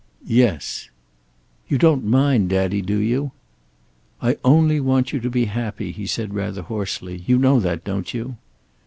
"Yes." "You don't mind, daddy, do you?" "I only want you to be happy," he said rather hoarsely. "You know that, don't you?"